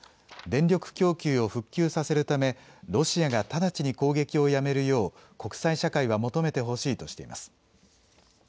電力供給を復旧させるためロシアが直ちに攻撃をやめるよう国際社会は求めてほしいとしています。